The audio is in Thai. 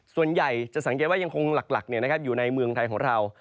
ส่วนใหญ่จะสังเกตว่ายังคงหลักอยู่ในเมืองไทยของเรา